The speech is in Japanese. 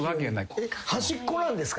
端っこなんですか？